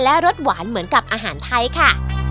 และรสหวานเหมือนกับอาหารไทยค่ะ